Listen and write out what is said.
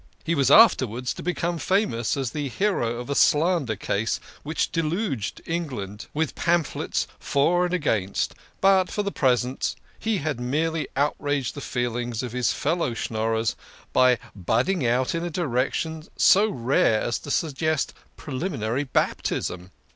He was afterwards to become famous as the hero of a slander case which deluged England with pamphlets for and against, but for the present he had merely outraged the feelings of his fellow Schnorrers by budding out in a direc tion so rare as to suggest preliminary baptism.